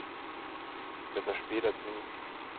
Besser spät als nie.